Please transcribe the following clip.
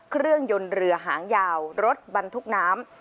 เครื่องยนต์เรือหางยาวรถบรรทุกน้ำ